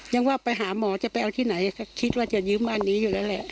ยังว่าไปหาหมอจะไปเอาที่ไหนก็คิดว่าจะยืมอันนี้อยู่แล้วแหละ